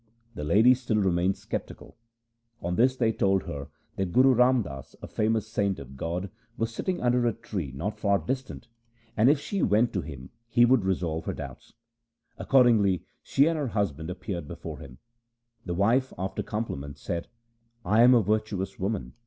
The lady still remained sceptical. On this they told her that Guru Ram Das, a famous saint of God, was sitting under a tree not far distant, and if she went LIFE OF GURU RAM DAS 269 to him he would resolve her doubts. Accordingly she and her husband appeared before him. The wife after compliments said :' I am a virtuous woman.